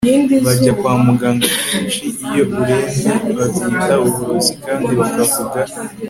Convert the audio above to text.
bajya kwa muganga akenshi iyo urembye babyita uburozi kandi bakavuga